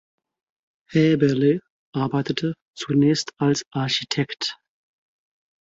Häberle arbeitete zunächst als Architekt.